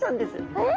えっ！？